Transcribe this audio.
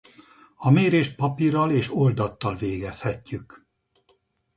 A mérést papírral és oldattal végezhetjük.